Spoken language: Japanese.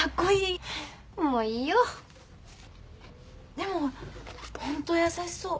でもホント優しそう。